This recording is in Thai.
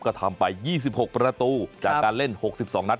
ก็ทำไปยี่สิบหกประตูจากการเล่นหกสิบสองนัด